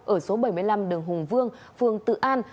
ở số bảy mươi năm đường hùng vương phường tự an